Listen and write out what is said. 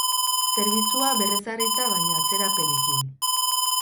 Zerbitzua berrezarrita baina atzerapenekin.